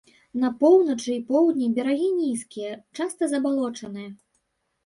На поўначы і поўдні берагі нізкія, часта забалочаныя.